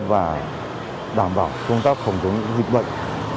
và đảm bảo công tác phòng chống dịch bệnh